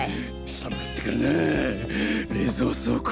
寒かったからなぁ冷蔵倉庫。